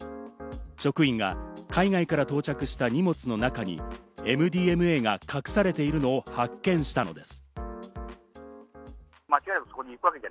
職員が海外から到着した荷物の中にＭＤＭＡが隠されているのを発見したのです。